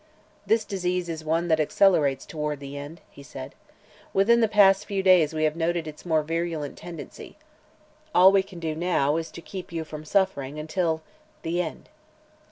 "This disease is one that accelerates toward the end," he said. "Within the past few days we have noted its more virulent tendency. All we can do now is to keep you from suffering until the end."